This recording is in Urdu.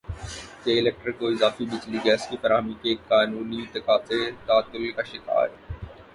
کے الیکٹرک کو اضافی بجلی گیس کی فراہمی کے قانونی تقاضے تعطل کا شکار